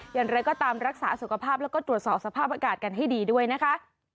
อย่างไรก็ตามรักษาสุขภาพแล้วก็ตรวจสอบสภาพอากาศกันให้ดีด้วยนะคะ